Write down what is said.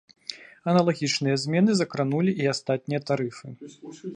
Аналагічныя змены закранулі і астатнія тарыфы.